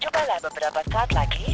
cobalah beberapa saat lagi